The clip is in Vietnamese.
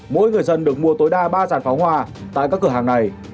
mỗi người dân được mua tối đa ba giàn pháo hoa tại các cửa hàng này